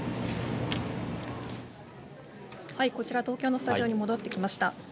こちら東京のスタジオに戻ってきました。